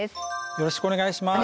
よろしくお願いします。